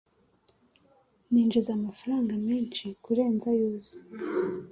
Ninjiza amafaranga menshi kurenza ayo uzi.